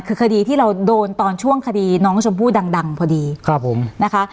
คือคดีที่เราโดนตอนช่วงคดีน้องชมพู่ดังพอดีครับผมนะคะ